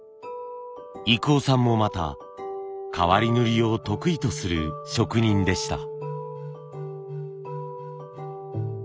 郁男さんもまた変わり塗を得意とする職人でした。